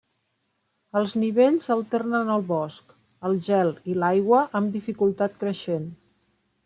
Els nivells alternen el bosc, el gel i l'aigua amb dificultat creixent.